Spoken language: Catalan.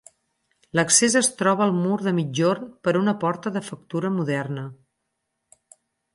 L'accés es troba al mur de migjorn per una porta de factura moderna.